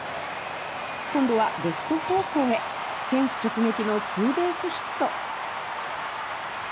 今度はレフト方向へフェンス直撃のツーベースヒット